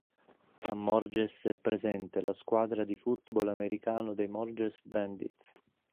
A Morges è presente la squadra di football americano dei Morges Bandits.